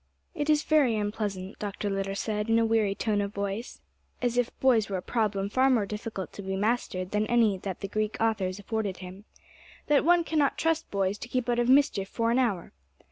"It is very unpleasant," Dr. Litter said, in a weary tone of voice as if boys were a problem far more difficult to be mastered than any that the Greek authors afforded him "that one cannot trust boys to keep out of mischief for an hour.